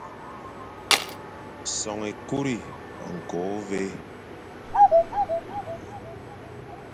Son ékuri, ñko, ôvè,